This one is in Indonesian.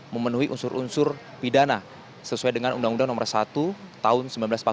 memenuhi unsur unsur pidana sesuai dengan undang undang nomor satu tahun seribu sembilan ratus empat puluh lima